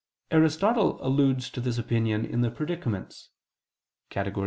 Aristotle alludes to this opinion in the Predicaments (Categor.